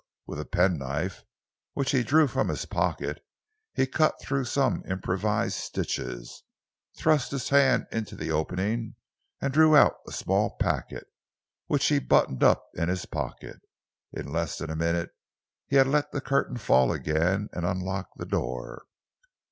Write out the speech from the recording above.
With a penknife which he drew from his pocket, he cut through some improvised stitches, thrust his hand into the opening and drew out a small packet, which he buttoned up in his pocket. In less than a minute he had let the curtain fall again and unlocked the door.